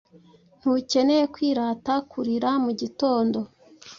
Ntukeneye kwirata kurira-mugitondo